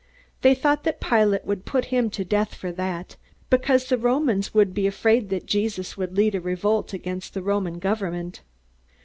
They thought that Pilate would put him to death for that, because the Romans would be afraid that Jesus would lead a revolt against the Roman government.